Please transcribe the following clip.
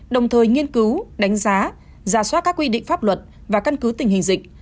đồng thời nghiên cứu đánh giá giả soát các quy định pháp luật và căn cứ tình hình dịch